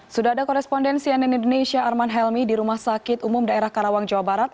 sudah ada korespondensi ann indonesia arman helmi di rumah sakit umum daerah karawang jawa barat